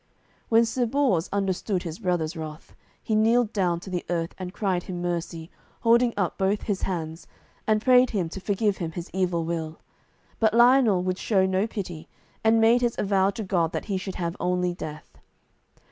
When Sir Bors understood his brother's wrath, he kneeled down to the earth and cried him mercy, holding up both his hands, and prayed him to forgive him his evil will; but Lionel would show no pity, and made his avow to God that he should have only death.